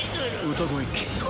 歌声喫茶。